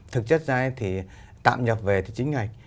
thực chất ra thì tạm nhập về thì chính ngạch